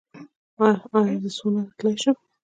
ایا زه سونا ته تلی شم؟